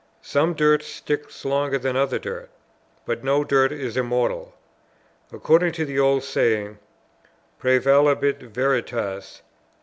Some dirt sticks longer than other dirt; but no dirt is immortal. According to the old saying, Prævalebit Veritas.